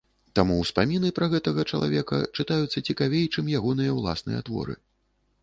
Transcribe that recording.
Таму ўспаміны пра гэтага чалавека чытаюцца цікавей, чым ягоныя ўласныя творы.